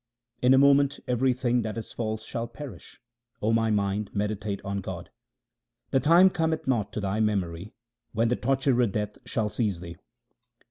In a moment everything that is false shall perish ; O my mind, meditate on God. The time cometh not to thy memory when the torturer Death shall seize thee.